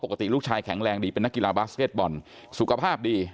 ปกติลูกชายแข็งแรงดีเป็นนักกีฬาบาสเก็ตบอลสุขภาพดี